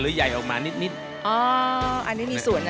หรอ๓๑ตัดได้เลย